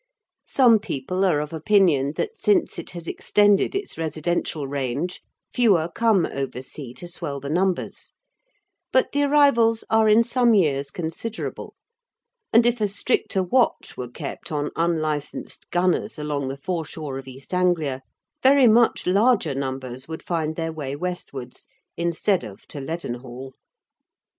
Some people are of opinion that since it has extended its residential range fewer come oversea to swell the numbers, but the arrivals are in some years considerable, and if a stricter watch were kept on unlicensed gunners along the foreshore of East Anglia, very much larger numbers would find their way westwards instead of to Leadenhall.